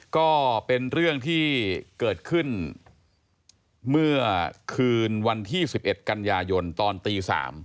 ก็เป็นเรื่องที่เกิดขึ้นเมื่อคืนวันที่๑๑กันยายนตอนตี๓